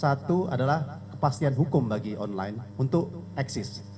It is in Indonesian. satu adalah kepastian hukum bagi online untuk eksis